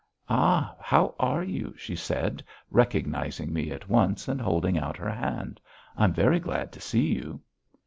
"Ah! How are you?" she said, recognising me at once and holding out her hand. "I am very glad to see you."